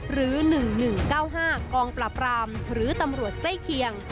หรือ๑๑๙๕กองปราบรามหรือตำรวจใกล้เคียง